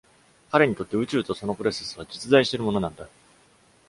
彼にとって、宇宙とそのプロセスは実在しているものなんだ。